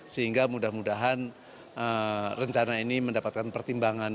sehingga mudah mudahan rencana ini mendapatkan pertimbangan